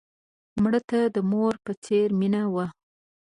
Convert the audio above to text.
مړه ته د مور په څېر مینه وه